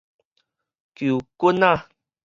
球棍仔